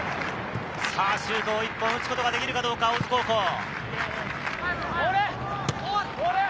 シュートを１本打つことができるかどうか、大津高校。